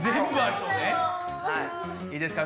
いいですか？